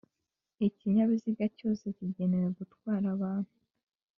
Ikinyabiziga cyose kigenewe gutwara abantu